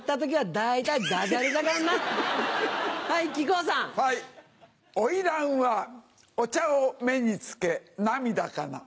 花魁はお茶を目につけ涙かな。